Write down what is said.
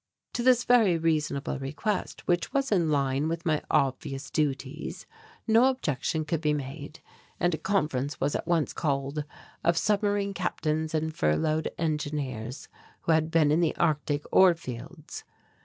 To this very reasonable request, which was in line with my obvious duties, no objection could be made and a conference was at once called of submarine captains and furloughed engineers who had been in the Arctic ore fields.